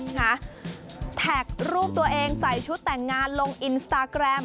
แท็กรูปตัวเองใส่ชุดแต่งงานลงอินสตาแกรม